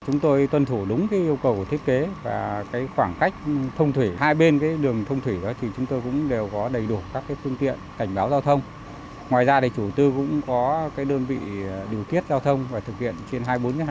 ngoài ra chủ tư cũng có đơn vị điều kiết giao thông và thực hiện trên hai mươi bốn hai mươi bốn